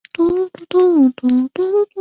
归属旅顺基地建制。